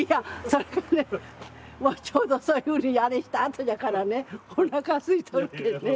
それがねもうちょうどそういうふうにあれしたあとじゃからねおなかすいとってね。